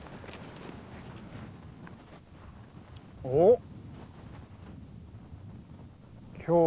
おっ。